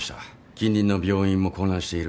近隣の病院も混乱している。